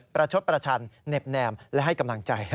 ชดประชันเน็บแนมและให้กำลังใจ